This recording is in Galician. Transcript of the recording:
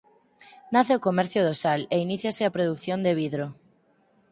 Nace o comercio do sal e iníciase a produción de vidro.